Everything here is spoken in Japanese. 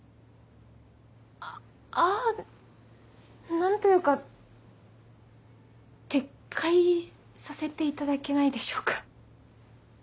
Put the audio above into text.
ああ何というか撤回させていただけないでしょうか？